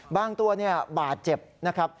บางตัวบาดเจ็บนะครับ